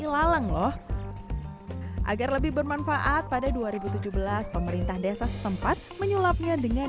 lalang loh agar lebih bermanfaat pada dua ribu tujuh belas pemerintah desa setempat menyulapnya dengan